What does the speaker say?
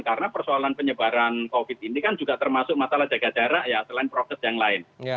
karena persoalan penyebaran covid ini kan juga termasuk masalah jaga jarak ya selain proses yang lain